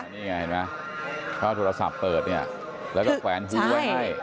นี่ไงเห็นไหมถ้าโทรศัพท์เปิดแล้วก็แขวนฮูไว้ให้